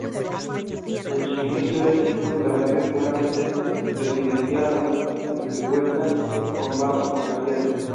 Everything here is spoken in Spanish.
Desde su inicio, ha tenido un carácter puramente residencial, aunque cuenta con bajos comerciales.